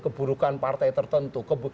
keburukan partai tertentu